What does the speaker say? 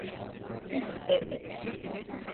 Hiç sevmedim.